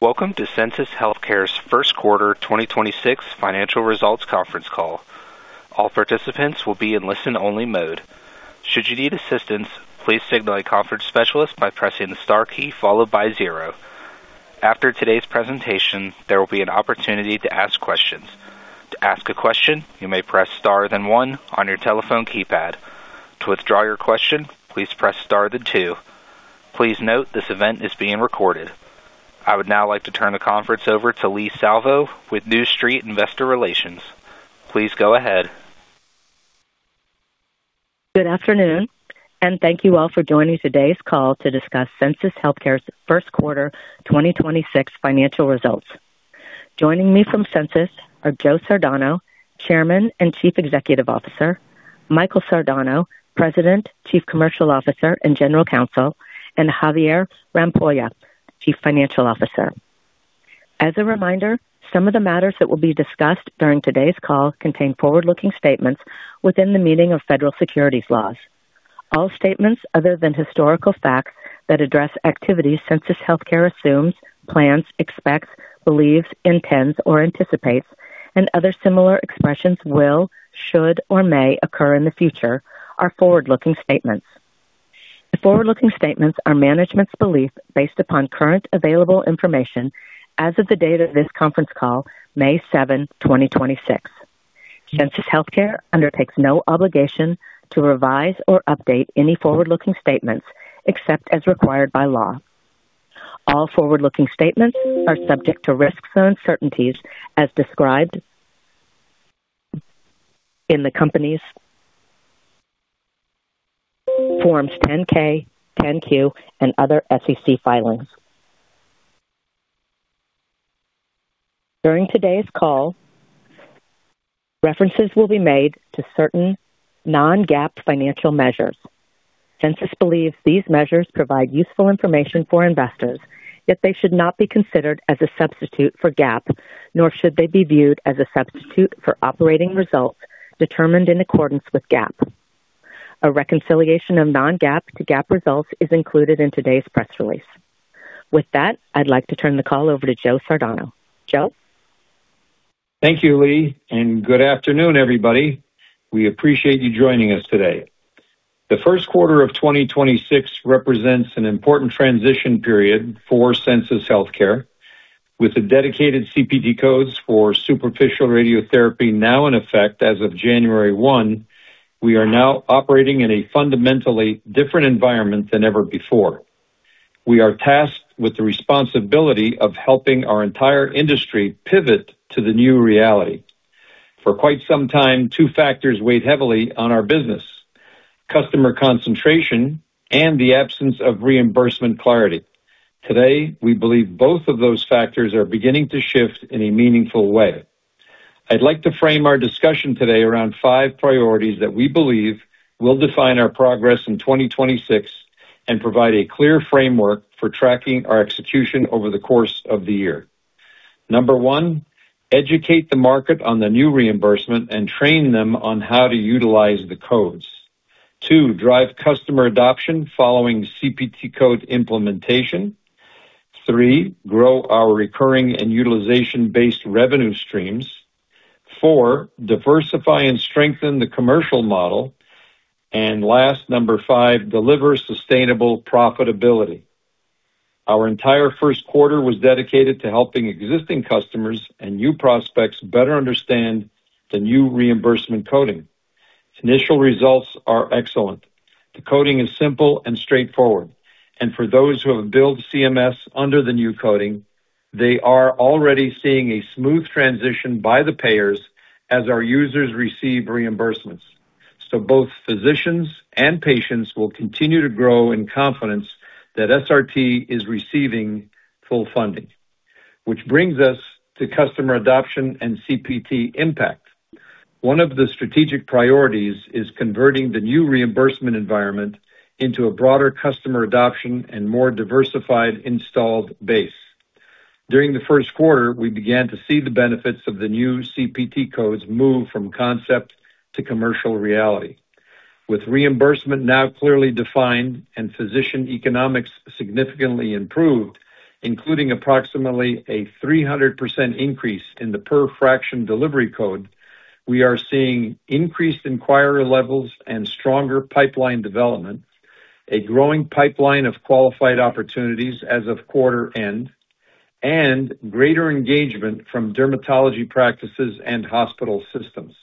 Welcome to Sensus Healthcare's first quarter 2026 financial results conference call. All participants will be in listen-only mode. Should you need assistance, please signal the conference specialist by pressing star key followed by zero. After today's presentation, there will be an opportunity to ask questions. To ask a question, you may press star then one on your telephone keypad. To widthdraw your question, please press star then two. Please note, this event is being recorded. I would now like to turn the conference over to Leigh Salvo with New Street Investor Relations. Please go ahead. Good afternoon, and thank you all for joining today's call to discuss Sensus Healthcare's 1st quarter 2026 financial results. Joining me from Sensus are Joe Sardano, Chairman and Chief Executive Officer. Michael Sardano, President, Chief Commercial Officer, and General Counsel, and Javier Rampolla, Chief Financial Officer. As a reminder, some of the matters that will be discussed during today's call contain forward-looking statements within the meaning of federal securities laws. All statements other than historical facts that address activities Sensus Healthcare assumes, plans, expects, believes, intends, or anticipates and other similar expressions will, should, or may occur in the future are forward-looking statements. The forward-looking statements are management's belief based upon current available information as of the date of this conference call, May 7, 2026. Sensus Healthcare undertakes no obligation to revise or update any forward-looking statements except as required by law. All forward-looking statements are subject to risks and uncertainties as described in the company's Forms 10-K, 10-Q, and other SEC filings. During today's call, references will be made to certain non-GAAP financial measures. Sensus believes these measures provide useful information for investors, yet they should not be considered as a substitute for GAAP, nor should they be viewed as a substitute for operating results determined in accordance with GAAP. A reconciliation of non-GAAP to GAAP results is included in today's press release. With that, I'd like to turn the call over to Joe Sardano. Joe. Thank you, Leigh, and good afternoon, everybody. We appreciate you joining us today. The first quarter of 2026 represents an important transition period for Sensus Healthcare. With the dedicated CPT codes for superficial radiotherapy now in effect as of January 1, we are now operating in a fundamentally different environment than ever before. We are tasked with the responsibility of helping our entire industry pivot to the new reality. For quite some time, two factors weighed heavily on our business, customer concentration and the absence of reimbursement clarity. Today, we believe both of those factors are beginning to shift in a meaningful way. I'd like to frame our discussion today around five priorities that we believe will define our progress in 2026 and provide a clear framework for tracking our execution over the course of the year. Number 1, educate the market on the new reimbursement and train them on how to utilize the codes. 2, drive customer adoption following CPT code implementation. 3, grow our recurring and utilization-based revenue streams. 4, diversify and strengthen the commercial model. Last, number 5, deliver sustainable profitability. Our entire first quarter was dedicated to helping existing customers and new prospects better understand the new reimbursement coding. Initial results are excellent. The coding is simple and straightforward, and for those who have billed CMS under the new coding, they are already seeing a smooth transition by the payers as our users receive reimbursements. Both physicians and patients will continue to grow in confidence that SRT is receiving full funding. Which brings us to customer adoption and CPT impact. One of the strategic priorities is converting the new reimbursement environment into a broader customer adoption and more diversified installed base. During the 1st quarter, we began to see the benefits of the new CPT codes move from concept to commercial reality. With reimbursement now clearly defined and physician economics significantly improved, including approximately a 300% increase in the per fraction delivery code, we are seeing increased inquiry levels and stronger pipeline development, a growing pipeline of qualified opportunities as of quarter-end, and greater engagement from dermatology practices and hospital systems.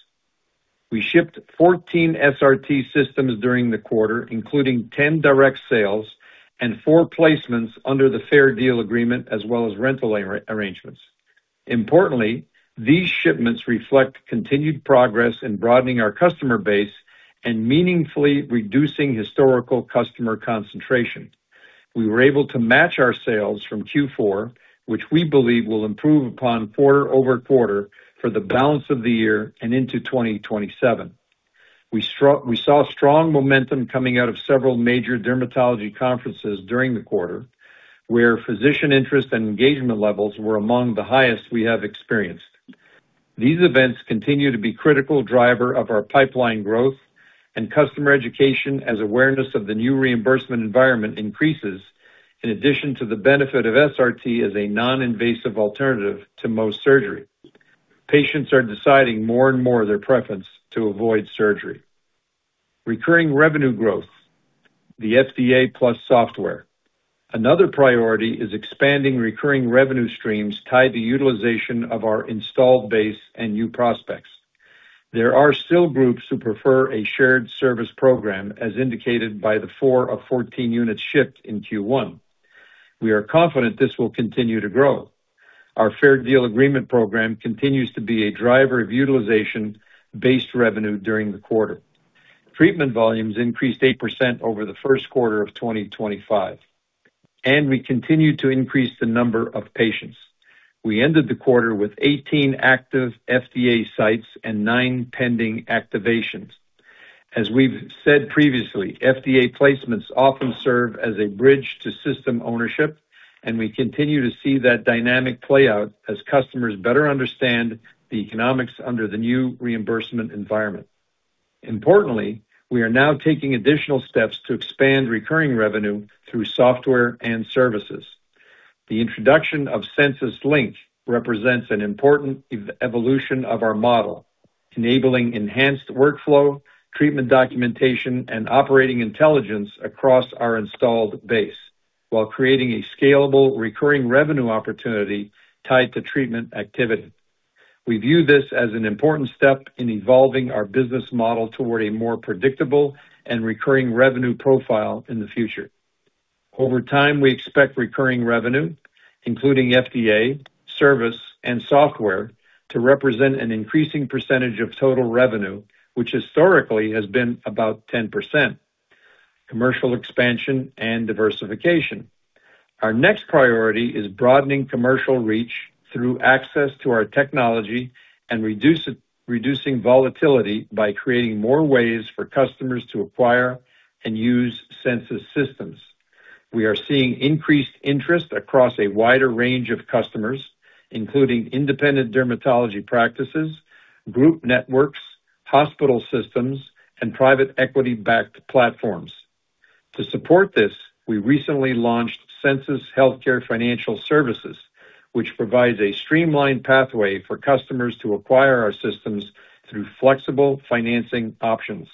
We shipped 14 SRT systems during the quarter, including 10 direct sales and 4 placements under the Fair Deal Agreement as well as rental arrangements. These shipments reflect continued progress in broadening our customer base and meaningfully reducing historical customer concentration. We were able to match our sales from Q4, which we believe will improve upon quarter-over-quarter for the balance of the year and into 2027. We saw strong momentum coming out of several major dermatology conferences during the quarter, where physician interest and engagement levels were among the highest we have experienced. These events continue to be critical driver of our pipeline growth and customer education as awareness of the new reimbursement environment increases, in addition to the benefit of SRT as a non-invasive alternative to most surgery. Patients are deciding more and more their preference to avoid surgery. Recurring revenue growth, the FDA plus software. Another priority is expanding recurring revenue streams tied to utilization of our installed base and new prospects. There are still groups who prefer a shared service program, as indicated by the 4 of 14 units shipped in Q1. We are confident this will continue to grow. Our Fair Deal Agreement program continues to be a driver of utilization-based revenue during the quarter. Treatment volumes increased 8% over the first quarter of 2025, we continued to increase the number of patients. We ended the quarter with 18 active FDA sites and 9 pending activations. As we've said previously, FDA placements often serve as a bridge to system ownership, we continue to see that dynamic play out as customers better understand the economics under the new reimbursement environment. Importantly, we are now taking additional steps to expand recurring revenue through software and services. The introduction of Sensus Link represents an important evolution of our model, enabling enhanced workflow, treatment documentation, and operating intelligence across our installed base while creating a scalable recurring revenue opportunity tied to treatment activity. We view this as an important step in evolving our business model toward a more predictable and recurring revenue profile in the future. Over time, we expect recurring revenue, including FDA, service, and software, to represent an increasing percentage of total revenue, which historically has been about 10%. Commercial expansion and diversification. Our next priority is broadening commercial reach through access to our technology and reducing volatility by creating more ways for customers to acquire and use Sensus systems. We are seeing increased interest across a wider range of customers, including independent dermatology practices, group networks, hospital systems, and private equity-backed platforms. To support this, we recently launched Sensus Healthcare Financial Services, which provides a streamlined pathway for customers to acquire our systems through flexible financing options.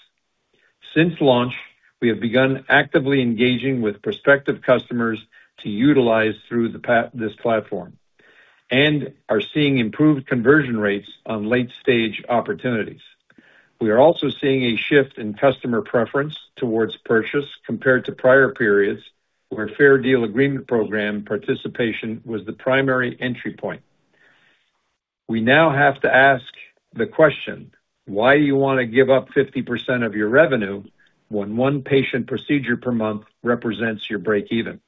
Since launch, we have begun actively engaging with prospective customers to utilize this platform and are seeing improved conversion rates on late-stage opportunities. We are also seeing a shift in customer preference towards purchase compared to prior periods where Fair Deal Agreement program participation was the primary entry point. We now have to ask the question, why do you wanna give up 50% of your revenue when one patient procedure per month represents your breakeven?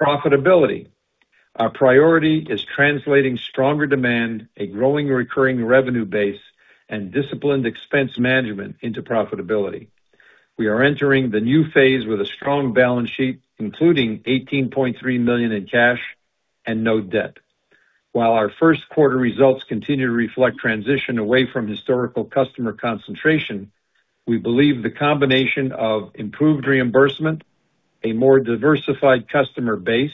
Profitability. Our priority is translating stronger demand, a growing recurring revenue base, and disciplined expense management into profitability. We are entering the new phase with a strong balance sheet, including $18.3 million in cash and no debt. While our first quarter results continue to reflect transition away from historical customer concentration, we believe the combination of improved reimbursement, a more diversified customer base,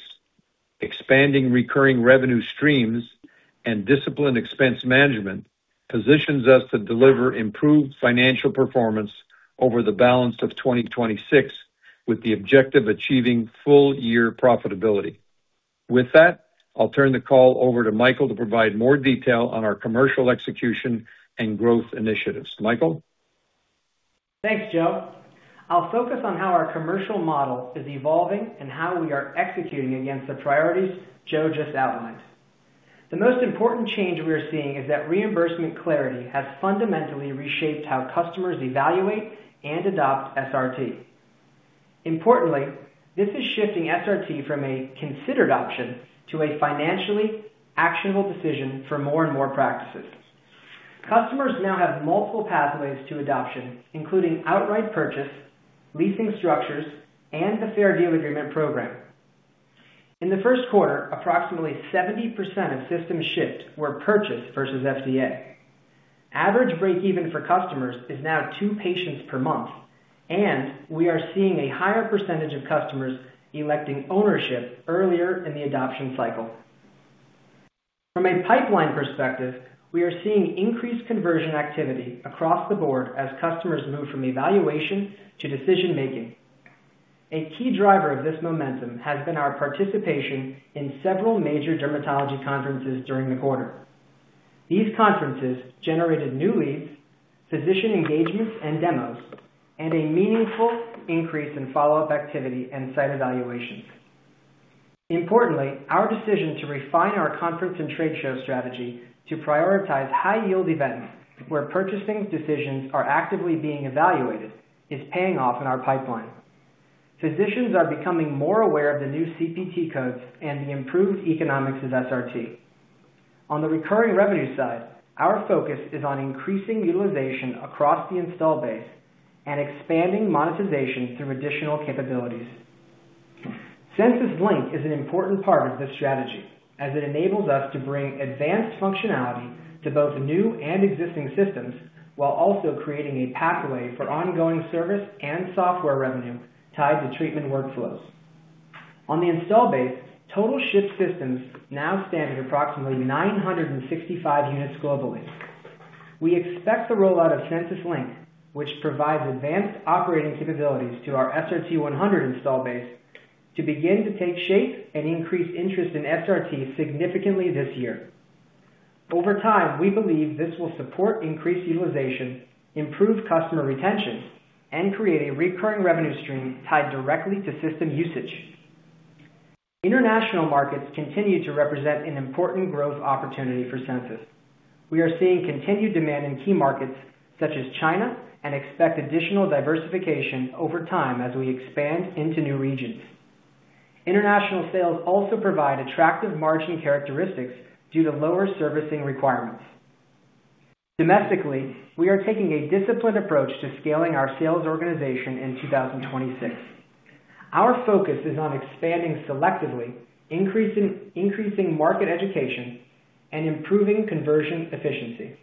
expanding recurring revenue streams, and disciplined expense management positions us to deliver improved financial performance over the balance of 2026, with the objective achieving full-year profitability. With that, I'll turn the call over to Michael to provide more detail on our commercial execution and growth initiatives. Michael? Thanks, Joe. I'll focus on how our commercial model is evolving and how we are executing against the priorities Joe just outlined. The most important change we are seeing is that reimbursement clarity has fundamentally reshaped how customers evaluate and adopt SRT. Importantly, this is shifting SRT from a considered option to a financially actionable decision for more and more practices. Customers now have multiple pathways to adoption, including outright purchase, leasing structures, and the Fair Deal Agreement program. In the first quarter, approximately 70% of systems shipped were purchased versus FDA. Average breakeven for customers is now 2 patients per month, and we are seeing a higher percentage of customers electing ownership earlier in the adoption cycle. From a pipeline perspective, we are seeing increased conversion activity across the board as customers move from evaluation to decision-making. A key driver of this momentum has been our participation in several major dermatology conferences during the quarter. These conferences generated new leads, physician engagements and demos, and a meaningful increase in follow-up activity and site evaluations. Importantly, our decision to refine our conference and trade show strategy to prioritize high-yield events where purchasing decisions are actively being evaluated is paying off in our pipeline. Physicians are becoming more aware of the new CPT codes and the improved economics of SRT. On the recurring revenue side, our focus is on increasing utilization across the install base and expanding monetization through additional capabilities. Sensus Link is an important part of this strategy as it enables us to bring advanced functionality to both new and existing systems, while also creating a pathway for ongoing service and software revenue tied to treatment workflows. On the install base, total shipped systems now stand at approximately 965 units globally. We expect the rollout of Sensus Link, which provides advanced operating capabilities to our SRT-100 install base to begin to take shape and increase interest in SRT significantly this year. Over time, we believe this will support increased utilization, improve customer retention, and create a recurring revenue stream tied directly to system usage. International markets continue to represent an important growth opportunity for Sensus. We are seeing continued demand in key markets such as China, and expect additional diversification over time as we expand into new regions. International sales also provide attractive margin characteristics due to lower servicing requirements. Domestically, we are taking a disciplined approach to scaling our sales organization in 2026. Our focus is on expanding selectively, increasing market education, and improving conversion efficiency.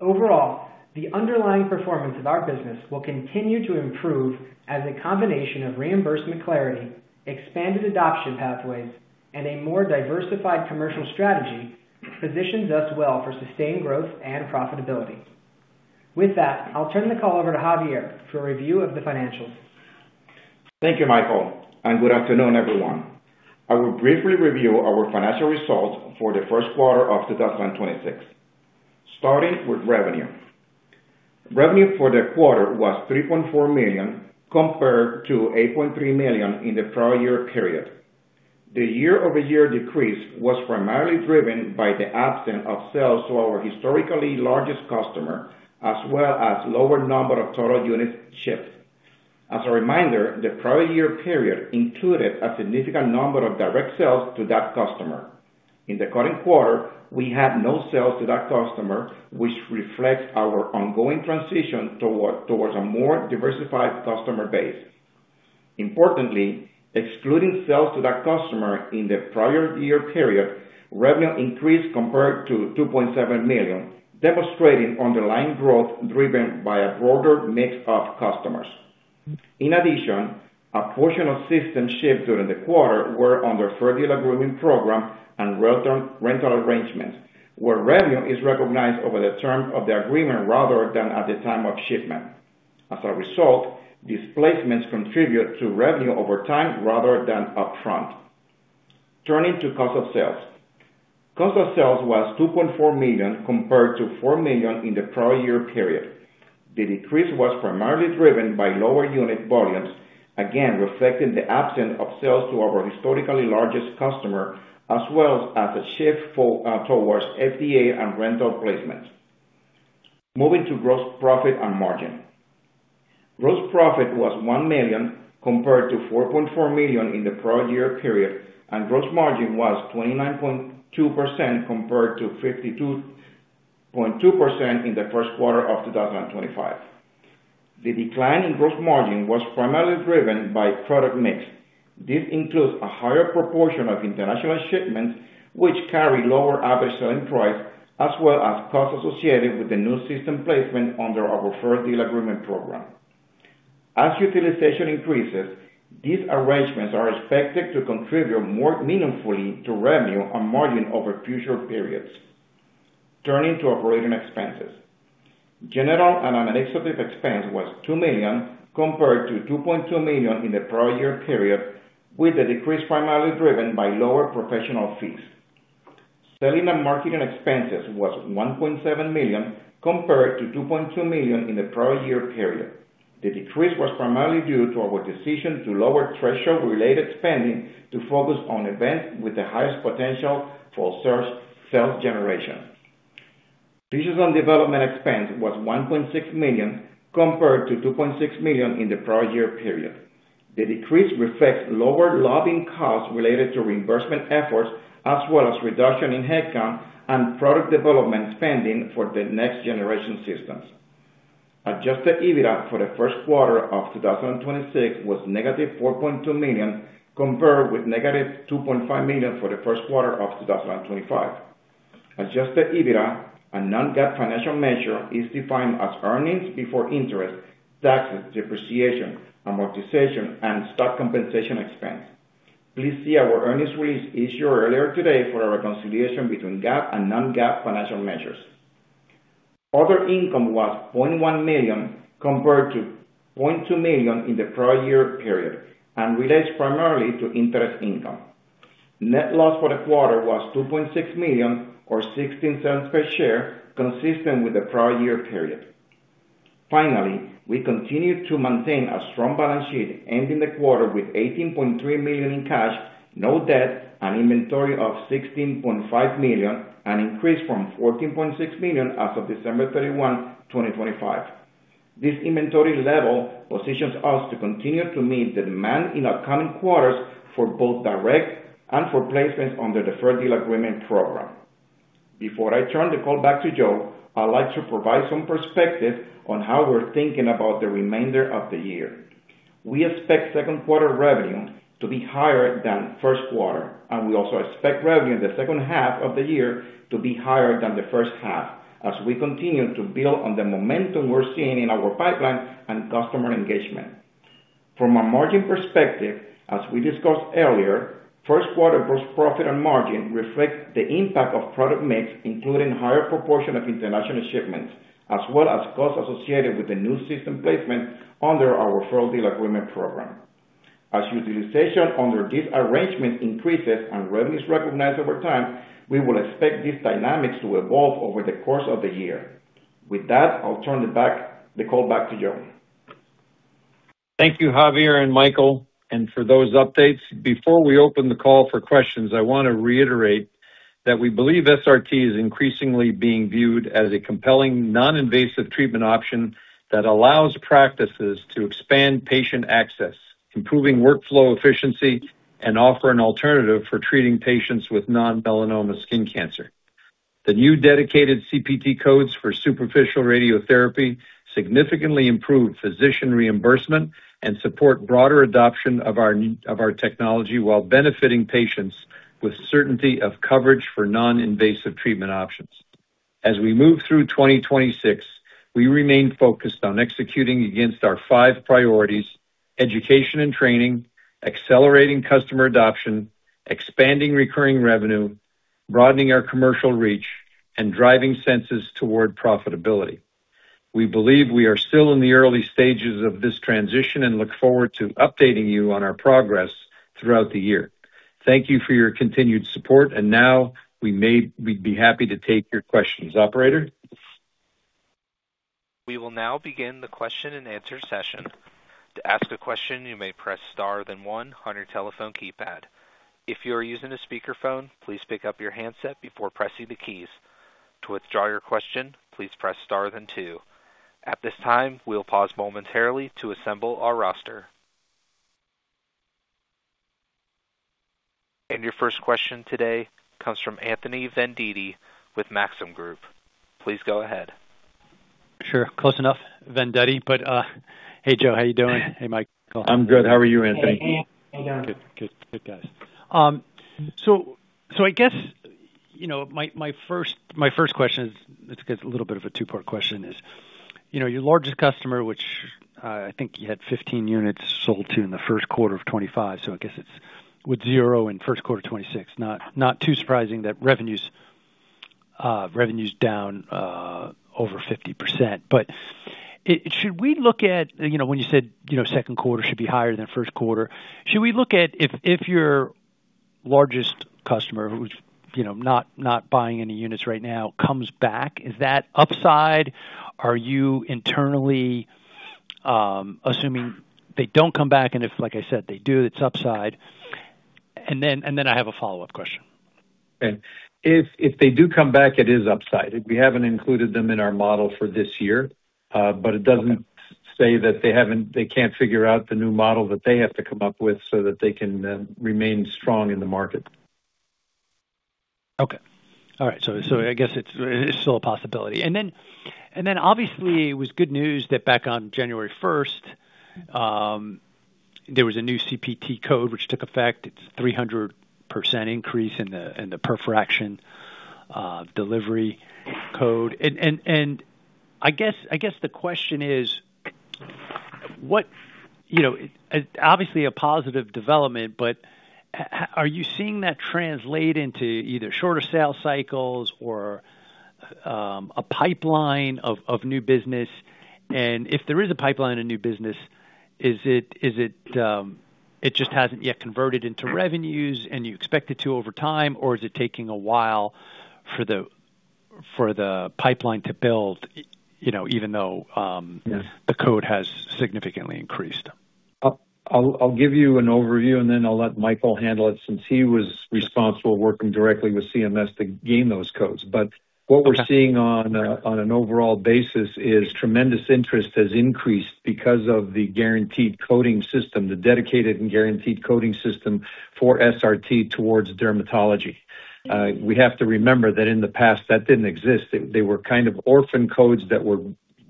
Overall, the underlying performance of our business will continue to improve as a combination of reimbursement clarity, expanded adoption pathways, and a more diversified commercial strategy positions us well for sustained growth and profitability. With that, I'll turn the call over to Javier for a review of the financials. Thank you, Michael, and good afternoon, everyone. I will briefly review our financial results for the first quarter of 2026. Starting with revenue. Revenue for the quarter was $3.4 million compared to $8.3 million in the prior year period. The year-over-year decrease was primarily driven by the absence of sales to our historically largest customer, as well as lower number of total units shipped. As a reminder, the prior year period included a significant number of direct sales to that customer. In the current quarter, we had no sales to that customer, which reflects our ongoing transition towards a more diversified customer base. Importantly, excluding sales to that customer in the prior year period, revenue increased compared to $2.7 million, demonstrating underlying growth driven by a broader mix of customers. In addition, a portion of systems shipped during the quarter were under Fair Deal Agreement program and return rental arrangements, where revenue is recognized over the term of the agreement rather than at the time of shipment. As a result, these placements contribute to revenue over time rather than upfront. Turning to cost of sales. Cost of sales was $2.4 million compared to $4 million in the prior year period. The decrease was primarily driven by lower unit volumes, again, reflecting the absence of sales to our historically largest customer as well as a shift towards FDA and rental placements. Moving to gross profit and margin. Gross profit was $1 million compared to $4.4 million in the prior year period, and gross margin was 29.2% compared to 52.2% in the first quarter of 2025. The decline in gross margin was primarily driven by product mix. This includes a higher proportion of international shipments, which carry lower average selling price, as well as costs associated with the new system placement under our Fair Deal Agreement program. As utilization increases, these arrangements are expected to contribute more meaningfully to revenue and margin over future periods. Turning to operating expenses. General and administrative expense was $2 million compared to $2.2 million in the prior year period, with the decrease primarily driven by lower professional fees. Selling and marketing expenses was $1.7 million compared to $2.2 million in the prior year period. The decrease was primarily due to our decision to lower threshold-related spending to focus on events with the highest potential for sales generation. Research and development expense was $1.6 million compared to $2.6 million in the prior year period. The decrease reflects lower lobbying costs related to reimbursement efforts, as well as reduction in headcount and product development spending for the next generation systems. Adjusted EBITDA for the first quarter of 2026 was negative $4.2 million, compared with negative $2.5 million for the first quarter of 2025. Adjusted EBITDA, a non-GAAP financial measure, is defined as earnings before interest, taxes, depreciation, amortization, and stock compensation expense. Please see our earnings release issued earlier today for a reconciliation between GAAP and non-GAAP financial measures. Other income was $0.1 million compared to $0.2 million in the prior year period and relates primarily to interest income. Net loss for the quarter was $2.6 million or $0.16 per share, consistent with the prior year period. We continue to maintain a strong balance sheet, ending the quarter with $18.3 million in cash, no debt, and inventory of $16.5 million, an increase from $14.6 million as of December 31, 2025. This inventory level positions us to continue to meet the demand in upcoming quarters for both direct and for placements under Fair Deal Agreement program. Before I turn the call back to Joe, I'd like to provide some perspective on how we're thinking about the remainder of the year. We expect second quarter revenue to be higher than first quarter. We also expect revenue in the second half of the year to be higher than the first half as we continue to build on the momentum we're seeing in our pipeline and customer engagement. From a margin perspective, as we discussed earlier, first quarter gross profit and margin reflect the impact of product mix, including higher proportion of international shipments as well as costs associated with the new system placement under our Fair Deal Agreement program. As utilization under this arrangement increases and revenue is recognized over time, we will expect these dynamics to evolve over the course of the year. With that, I'll turn the call back to Joe. Thank you, Javier and Michael, for those updates. Before we open the call for questions, I want to reiterate that we believe SRT is increasingly being viewed as a compelling, non-invasive treatment option that allows practices to expand patient access, improving workflow efficiency, and offer an alternative for treating patients with non-melanoma skin cancer. The new dedicated CPT codes for superficial radiotherapy significantly improve physician reimbursement and support broader adoption of our technology while benefiting patients with certainty of coverage for non-invasive treatment options. As we move through 2026, we remain focused on executing against our five priorities: education and training, accelerating customer adoption, expanding recurring revenue, broadening our commercial reach, and driving Sensus toward profitability. We believe we are still in the early stages of this transition and look forward to updating you on our progress throughout the year. Thank you for your continued support. Now we'd be happy to take your questions. Operator? We will now begin the question and answer session. To ask a question, you may press star then one on your telephone keypad. If you are using a speakerphone, please pick up your handset before pressing the keys. To withdraw your question, please press star then two. At this time, we'll pause momentarily to assemble our roster. Your first question today comes from Anthony Vendetti with Maxim Group. Please go ahead. Sure. Close enough. Vendetti. Hey, Joe. How you doing? Hey, Michael. I'm good. How are you, Anthony? Good guys. I guess, you know, my first question is, it's a little bit of a two-part question, is, you know, your largest customer, which I think you had 15 units sold to in the first quarter of 2025, so I guess it's with 0 in first quarter 2026. Not too surprising that revenues, revenue's down over 50%. Should we look at, you know, when you said, you know, second quarter should be higher than first quarter, should we look at if your largest customer who's, you know, not buying any units right now comes back, is that upside? Are you internally assuming they don't come back, and if, like I said, they do, it's upside? I have a follow-up question. If they do come back, it is upside. We haven't included them in our model for this year. It doesn't say that they can't figure out the new model that they have to come up with so that they can remain strong in the market. I guess it's still a possibility. Obviously it was good news that back on January 1st, there was a new CPT code which took effect. It's 300% increase in the per fraction delivery code. I guess the question is, you know, obviously a positive development, but are you seeing that translate into either shorter sales cycles or a pipeline of new business? If there is a pipeline of new business, it just hasn't yet converted into revenues and you expect it to over time, or is it taking a while for the pipeline to build, you know, even though the code has significantly increased? I'll give you an overview, and then I'll let Michael handle it since he was responsible working directly with CMS to gain those codes. What we're seeing on an overall basis is tremendous interest has increased because of the guaranteed coding system, the dedicated and guaranteed coding system for SRT towards dermatology. We have to remember that in the past, that didn't exist. They were kind of orphan codes that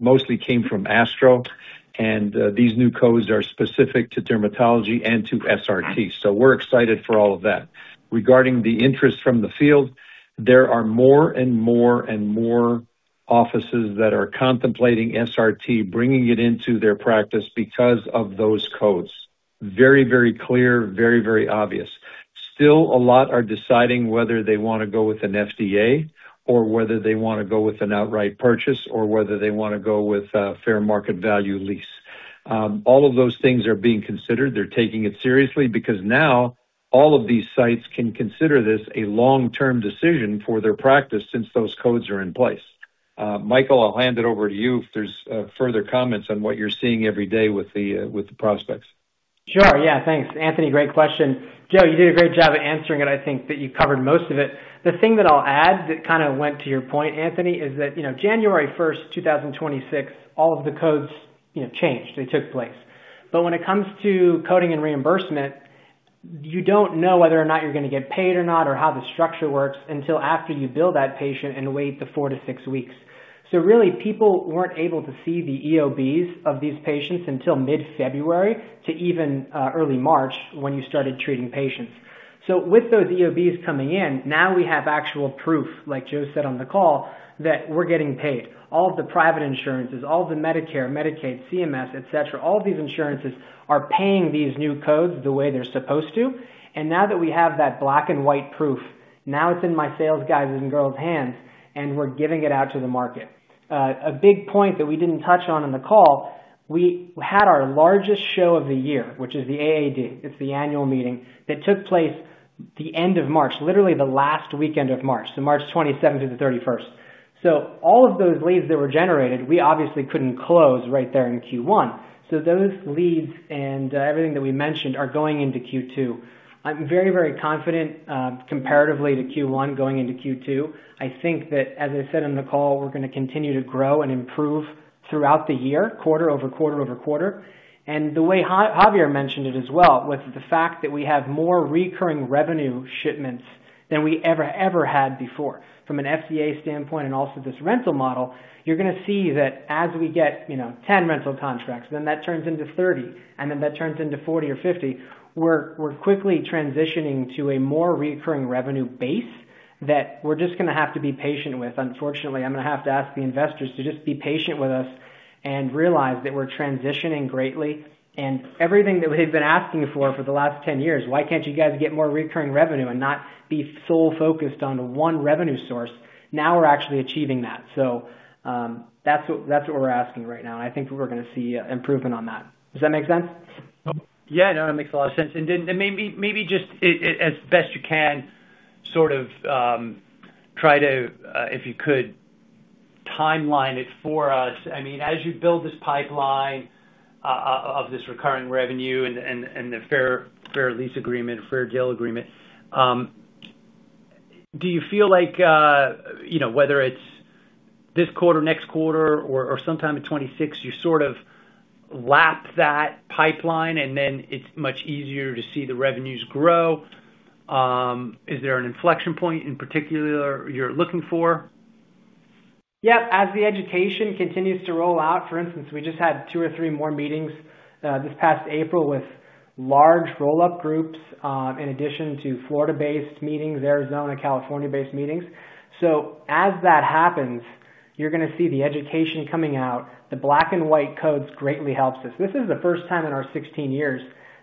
mostly came from ASTRO, these new codes are specific to dermatology and to SRT. We're excited for all of that. Regarding the interest from the field, there are more and more and more offices that are contemplating SRT, bringing it into their practice because of those codes. Very, very clear, very, very obvious. Still, a lot are deciding whether they wanna go with an FDA or whether they wanna go with an outright purchase or whether they wanna go with a fair market value lease. All of those things are being considered. They're taking it seriously because now all of these sites can consider this a long-term decision for their practice since those codes are in place. Michael, I'll hand it over to you if there's further comments on what you're seeing every day with the prospects. Sure. Yeah. Thanks, Anthony. Great question. Joe, you did a great job of answering it. I think that you covered most of it. The thing that I'll add that kind of went to your point, Anthony, is that, you know, January 1, 2026, all of the codes, you know, changed. They took place. When it comes to coding and reimbursement. You don't know whether or not you're gonna get paid or not, or how the structure works until after you bill that patient and wait the 4-6 weeks. Really, people weren't able to see the EOBs of these patients until mid-February to even early March, when you started treating patients. With those EOBs coming in, now we have actual proof, like Joe said on the call, that we're getting paid. All of the private insurances, all of the Medicare, Medicaid, CMS, et cetera, all of these insurances are paying these new codes the way they're supposed to. Now that we have that black and white proof, now it's in my sales guys' and girls' hands, and we're giving it out to the market. A big point that we didn't touch on in the call, we had our largest show of the year, which is the AAD, it's the annual meeting, that took place the end of March, literally the last weekend of March, so March 27th to the 31st. All of those leads that were generated, we obviously couldn't close right there in Q1. Those leads and everything that we mentioned are going into Q2. I'm very, very confident, comparatively to Q1 going into Q2. I think that, as I said on the call, we're gonna continue to grow and improve throughout the year, quarter over quarter over quarter. The way Javier mentioned it as well, with the fact that we have more recurring revenue shipments than we ever had before. From an FDA standpoint and also this rental model, you're going to see that as we get, you know, 10 rental contracts, then that turns into 30, and then that turns into 40 or 50. We're quickly transitioning to a more recurring revenue base that we're just going to have to be patient with. Unfortunately, I'm going to have to ask the investors to just be patient with us and realize that we're transitioning greatly. Everything that we've been asking for the last 10 years, "Why can't you guys get more recurring revenue and not be so focused on one revenue source?" Now we're actually achieving that. That's what we're asking right now, and I think we're going to see improvement on that. Does that make sense? Yeah. No, that makes a lot of sense. Then maybe, as best you can, sort of, try to, if you could, timeline it for us. I mean, as you build this pipeline of this recurring revenue and the fair lease agreement, Fair Deal Agreement, do you feel like, you know, whether it's this quarter, next quarter or sometime in 2026, you sort of lap that pipeline and then it's much easier to see the revenues grow? Is there an inflection point in particular you're looking for? As the education continues to roll out, for instance, we just had 2 or 3 more meetings this past April with large roll-up groups, in addition to Florida-based meetings, Arizona, California-based meetings. As that happens, you're gonna see the education coming out. The black and white codes greatly helps us. This is the first time in our 16 years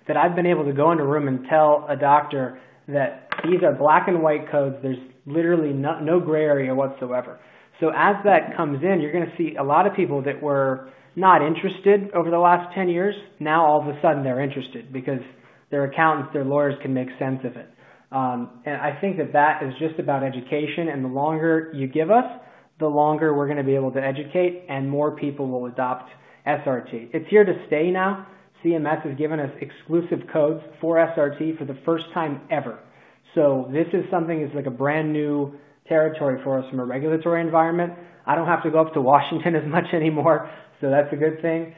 that I've been able to go into a room and tell a doctor that these are black and white codes. There's literally no gray area whatsoever. As that comes in, you're gonna see a lot of people that were not interested over the last 10 years. Now, all of a sudden, they're interested because their accountants, their lawyers can make sense of it. I think that that is just about education, the longer you give us, the longer we're gonna be able to educate and more people will adopt SRT. It's here to stay now. CMS has given us exclusive codes for SRT for the first time ever. This is something that's like a brand new territory for us from a regulatory environment. I don't have to go up to Washington as much anymore, that's a good thing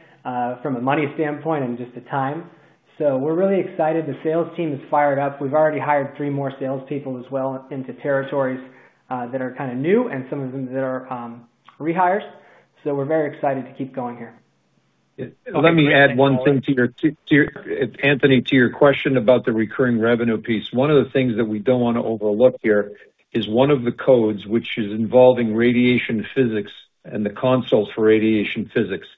from a money standpoint and just the time. We're really excited. The sales team is fired up. We've already hired 3 more salespeople as well into territories that are kinda new and some of them that are rehires. We're very excited to keep going here. Let me add one thing to your Anthony, to your question about the recurring revenue piece. One of the things that we don't want to overlook here is one of the codes which is involving radiation physics and the consult for radiation physics.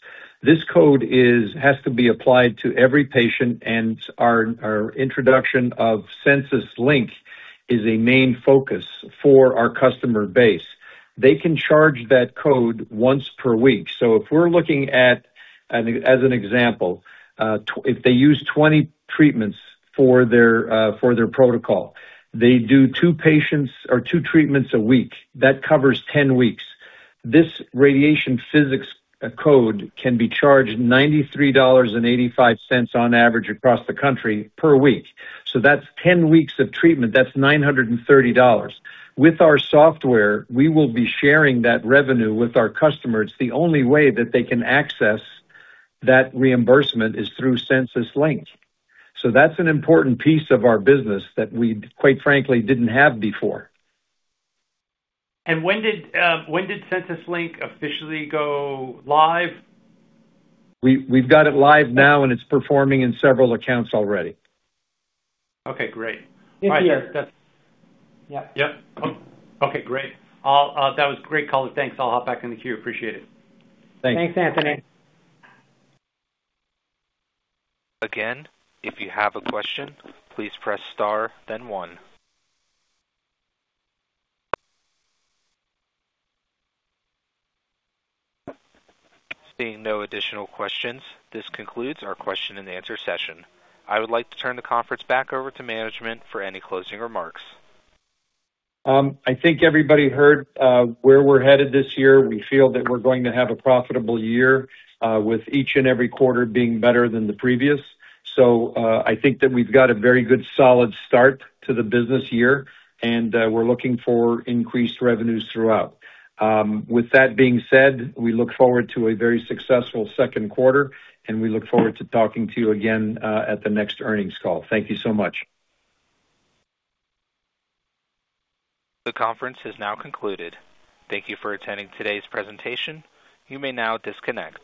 This code has to be applied to every patient, and our introduction of Sensus Link is a main focus for our customer base. They can charge that code once per week. If we're looking at, as an example, if they use 20 treatments for their protocol, they do two patients or two treatments a week. That covers 10 weeks. This radiation physics code can be charged $93.85 on average across the country per week. That's 10 weeks of treatment. That's $930. With our software, we will be sharing that revenue with our customers. The only way that they can access that reimbursement is through SensusLink. That's an important piece of our business that we quite frankly, didn't have before. When did Sensus Link officially go live? We've got it live now, and it's performing in several accounts already. Okay, great. It's here. All right. Yeah. Yeah. Okay, great. That was a great call. Thanks. I'll hop back in the queue. Appreciate it. Thanks. Thanks, Anthony. Again, if you have a question, please press star then one. Seeing no additional questions, this concludes our question and answer session. I would like to turn the conference back over to management for any closing remarks. I think everybody heard where we're headed this year. We feel that we're going to have a profitable year with each and every quarter being better than the previous. I think that we've got a very good, solid start to the business year, and we're looking for increased revenues throughout. With that being said, we look forward to a very successful second quarter, and we look forward to talking to you again at the next earnings call. Thank you so much. The conference is now concluded. Thank you for attending today's presentation. You may now disconnect.